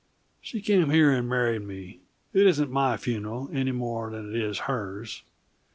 She came here and married me it isn't my funeral any more than it is hers.